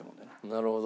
なるほど。